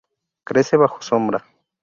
Crece bajo sombra.